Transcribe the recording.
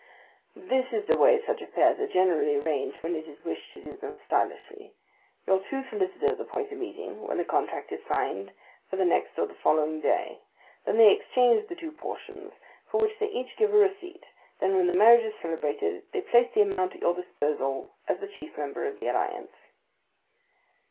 "This is the way such affairs are generally arranged when it is wished to do them stylishly: Your two solicitors appoint a meeting, when the contract is signed, for the next or the following day; then they exchange the two portions, for which they each give a receipt; then, when the marriage is celebrated, they place the amount at your disposal as the chief member of the alliance."